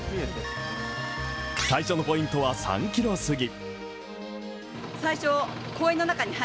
最初のポイントは３ｋｍすぎ。